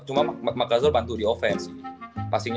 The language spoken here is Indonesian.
cuma mark gasol bantu di offense